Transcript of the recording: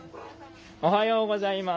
おはようございます。